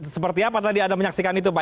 seperti apa tadi anda menyaksikan itu pak